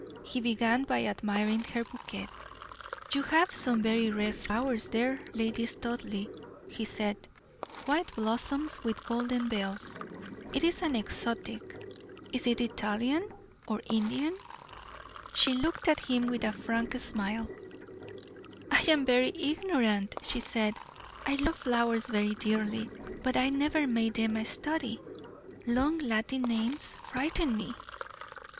He began by admiring her bouquet. "You have some very rare flowers there, Lady Studleigh," he said "white blossoms with golden bells; it is an exotic. Is it Indian or Italian?" She looked at him with a frank smile. "I am very ignorant," she said. "I love flowers very dearly, but I never made them a study. Long Latin names frighten me."